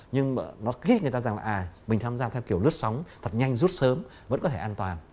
nhưng mà nó kích người ta rằng là à mình tham gia theo kiểu lướt sóng thật nhanh rút sớm vẫn có thể an toàn